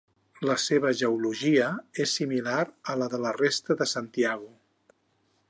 La seva geologia és similar a la de la resta de Santiago.